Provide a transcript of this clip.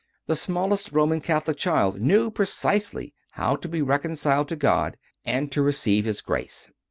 The smallest Roman Catholic child knew precisely how to be reconciled to God and to receive His grace.